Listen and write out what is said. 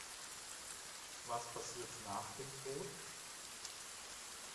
Was passiert nach dem Tod?